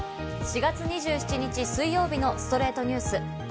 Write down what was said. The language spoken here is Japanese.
４月２７日、水曜日の『ストレイトニュース』。